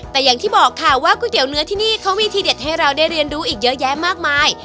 แต่อย่างที่บอกค่ะว่าก๋วยเตี๋ยวเนื้อที่นี่เขามีทีเด็ดให้เราได้เรียนรู้อีกเยอะแยะมากมาย